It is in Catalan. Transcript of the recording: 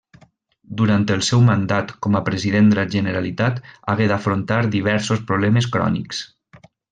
Durant el seu mandat com a president de la Generalitat hagué d'afrontar diversos problemes crònics.